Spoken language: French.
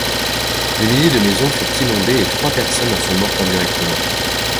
Des milliers de maisons furent inondées et trois personnes en sont mortes indirectement.